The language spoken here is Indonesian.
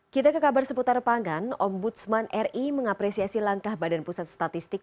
kita ke kabar seputar pangan ombudsman ri mengapresiasi langkah badan pusat statistik